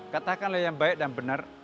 katakanlah yang baik dan benar